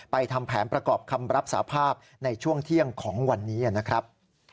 ทำแผนประกอบคำรับสาภาพในช่วงเที่ยงของวันนี้นะครับ